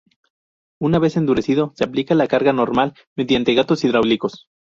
Una vez endurecido, se aplica la carga normal mediante gatos hidráulicos.